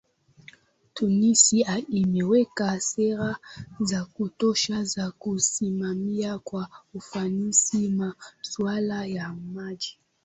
Tunisia imeweka sera za kutosha za kusimamia kwa ufanisi masuala ya maji